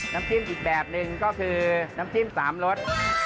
น้ำจิ้มอีกแบบหนึ่งก็คือน้ำจิ้ม๓รส